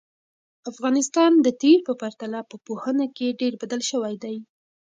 افغانستان د تېر په پرتله په پوهنه کې ډېر بدل شوی دی.